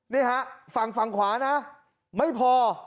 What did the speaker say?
นี่ฮะฝั่งขวานะไม่พอ